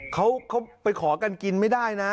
เขาไปขอกันกินไม่ได้นะ